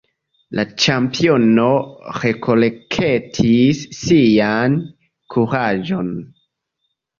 La ĉampiono rekolektis sian kuraĝon.